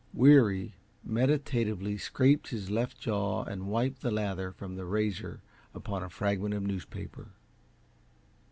Weary meditatively scraped his left jaw and wiped the lather from the razor upon a fragment of newspaper.